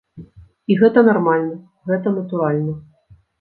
І гэта нармальна, гэта натуральна.